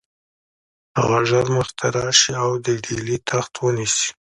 هغه ژر مخته راشي او د ډهلي تخت ونیسي.